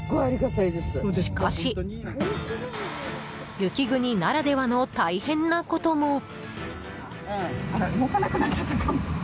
しかし、雪国ならではの大変なことも。